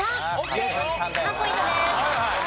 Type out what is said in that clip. ３ポイントです。